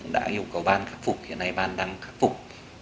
đã yêu cầu ban khắc phục hiện nay ban đang khắc phục